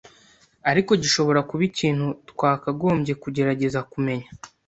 ariko gishobora kuba ikintu twakagombye kugerageza kumenya.